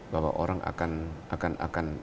bahwa orang akan